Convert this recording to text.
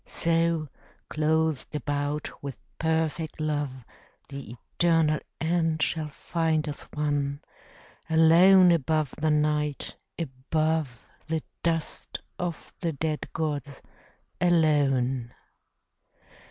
So, clothed about with perfect love, The eternal end shall find us one, Alone above the Night, above The dust of the dead gods, alone.